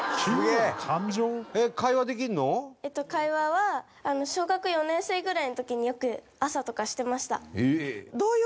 会話は小学４年生ぐらいの時によく朝とかしてました。